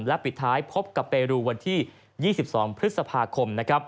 และปิดท้ายพบกับเปรูวันที่๒๒พฤษภาคม